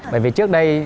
bởi vì trước đây